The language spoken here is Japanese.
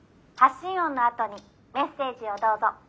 発信音のあとにメッセージをどうぞ」。